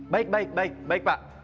baik baik baik pak